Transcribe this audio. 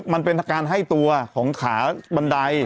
มันเป็นการให้ตัวของขาบันได